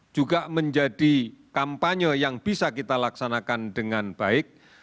juga menjadi kampanye yang bisa kita laksanakan dengan baik